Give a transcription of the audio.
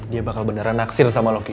dia bakal beneran naksir sama lo ki